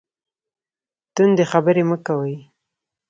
تندې خبرې مه کوئ